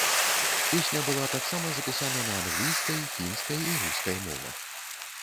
Песня была таксама запісана на англійскай, фінскай і рускай мовах.